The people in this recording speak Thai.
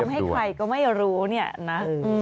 ให้ใครก็ไม่รู้เนี่ยนะ